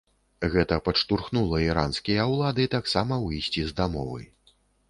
Гэта падштурхнула іранскія ўлады таксама выйсці з дамовы.